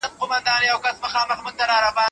فکر کول او فشار بې خوبي زیاتوي.